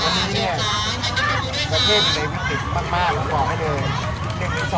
แต่มันเป็นการแสดงที่เราแตกต่างจากประเทศอื่นอีก